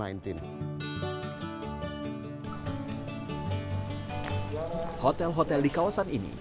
hotel hotel di kawasan ini